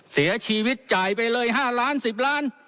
เสียชีวิตจ่ายไปเลย๕ล้าน๑๐ล้าน